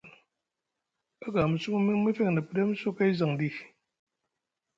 Aga mu sumu miŋ mefeŋ na pɗem so kay zaŋ ɗi ?